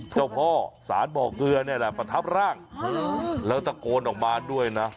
เจ้าพ่อสารบ่อเกลือนี่แหละประทับร่างแล้วตะโกนออกมาด้วยนะ